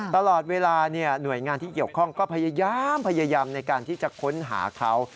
ตลอดเวลาหน่วยงานที่เกี่ยวข้องก็พยายามในการที่จะค้นหาเขา